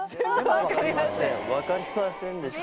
「分かりませんでした」。